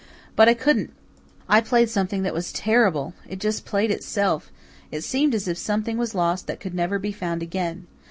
But I couldn't. I played something that was terrible it just played itself it seemed as if something was lost that could never be found again.